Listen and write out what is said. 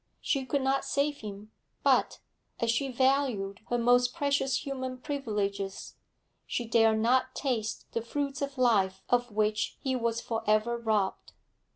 She could not save him, but, as she valued her most precious human privileges, she dared not taste the fruits of life of which he was for ever robbed.